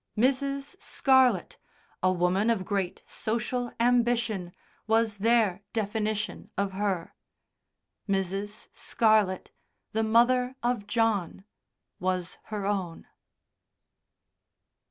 "Mrs. Scarlett a woman of great social ambition," was their definition of her. "Mrs. Scarlett the mother of John," was her own.